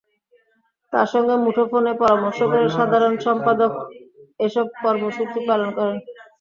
তাঁর সঙ্গে মুঠোফোনে পরামর্শ করে সাধারণ সম্পাদক এসব কর্মসূচি পালন করেন।